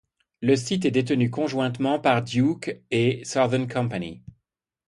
Le site est détenu conjointement par Duke et Southern Company.